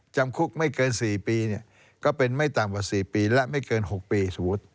จำคุกไม่เกิน๔ปีก็เป็นไม่ต่ำกว่า๔ปีและไม่เกิน๖ปีสมมุติ